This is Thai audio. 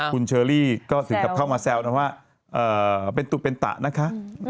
คุณเชอรี่ก็ถึงกับเข้ามาแซวนะว่าเป็นตุเป็นตะนะคะ